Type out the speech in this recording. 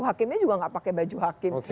hakimnya juga nggak pakai baju hakim